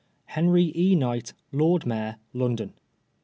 " Henrt E. Knight, "Lord Mayor, London.